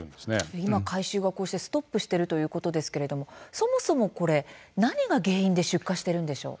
今、回収がストップしているということですけれどもそもそも何が原因で出火しているんでしょう。